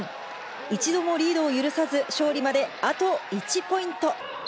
一度もリードを許さず、勝利まであと１ポイント。